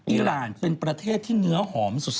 อีรานเป็นประเทศที่เนื้อหอมสุด